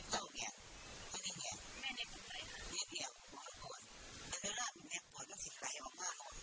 ทุกครั้ง